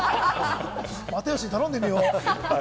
又吉に頼んでみよう。